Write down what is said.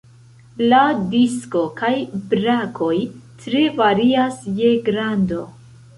La disko kaj brakoj tre varias je grando.